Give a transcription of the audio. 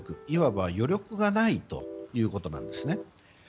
いわば余力がないということなんですね。